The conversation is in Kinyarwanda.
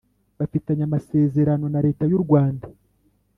bafitanye amasezerano na Leta y u Rwanda